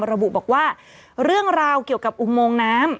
ระบุบอกว่าเรื่องราวเกี่ยวกับอุโมงน้ำ